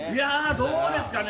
どうですかね。